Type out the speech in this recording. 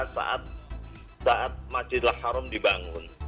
saat majlis laharum dibangun